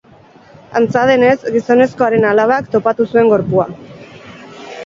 Antza denez, gizonezkoaren alabak topatu zuen gorpua.